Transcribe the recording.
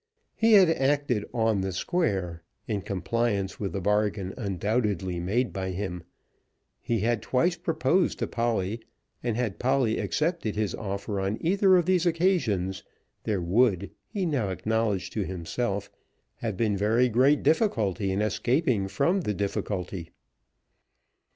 He had acted "on the square." In compliance with the bargain undoubtedly made by him, he had twice proposed to Polly, and had Polly accepted his offer on either of these occasions, there would, he now acknowledged to himself, have been very great difficulty in escaping from the difficulty.